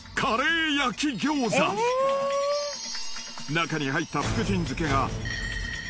［中に入った福神漬けが］